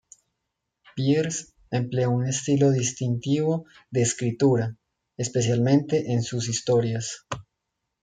Bierce empleó un estilo distintivo de escritura, especialmente en sus historias.